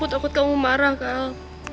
aku takut kamu marah kal